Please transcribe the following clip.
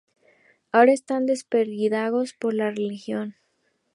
Ahora están desperdigados por la región.